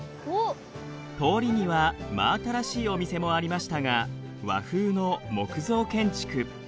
通りには真新しいお店もありましたが和風の木造建築。